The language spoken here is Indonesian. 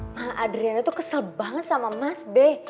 maha adriana tuh kesel banget sama mas b